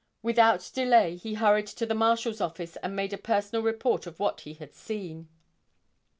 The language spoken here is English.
Without delay he hurried to the Marshal's office and made a personal report of what he had seen.